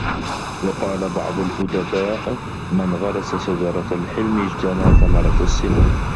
وَقَالَ بَعْضُ الْأُدَبَاءِ مَنْ غَرَسَ شَجَرَةَ الْحِلْمِ اجْتَنَى ثَمَرَةَ السِّلْمِ